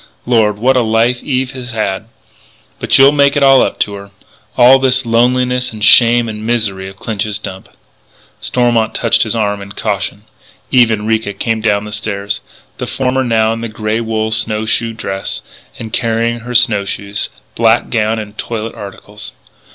Lord! what a life Eve has had! But you'll make it all up to her ... all this loneliness and shame and misery of Clinch's Dump " Stormont touched his arm in caution: Eve and Ricca came down the stairs the former now in the grey wool snow shoe dress, and carrying her snow shoes, black gown, and toilet articles.